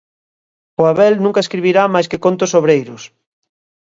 O Abel nunca escribirá máis que contos obreiros.